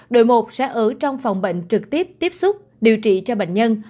đội một sẽ ở trong phòng bệnh trực tiếp tiếp xúc điều trị cho bệnh nhân